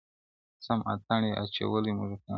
o سم اتڼ یې اچولی موږکانو,